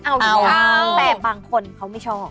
เอาจริงแต่บางคนเขาไม่ชอบ